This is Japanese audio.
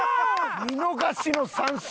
見逃しの三振！